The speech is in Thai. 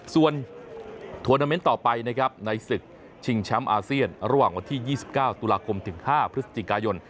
ส่วนทัวร์นาเมนต์ต่อไปนะครับในศึกชิงแชมป์อาเซียนระหว่างวันที่๒๙ตุลาคมถึง๕พฤศจิกายน